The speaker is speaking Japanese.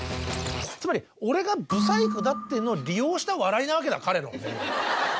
つまり俺がブサイクだってのを利用した笑いなわけだ彼の。